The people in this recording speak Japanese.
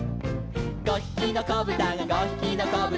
「５ひきのこぶたが５ひきのこぶたが」